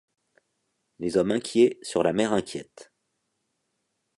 Les hommes inquiets sur la mer inquiète